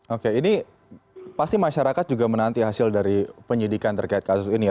oke ini pasti masyarakat juga menanti hasil dari penyidikan terkait kasus ini ya